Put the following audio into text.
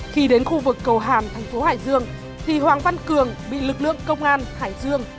khi đến khu vực cầu hàm thành phố hải dương thì hoàng văn cường bị lực lượng công an hải dương